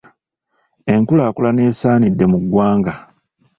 Enkulaakulana esaanidde mu ggwanga.